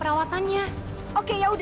eh jangan bawel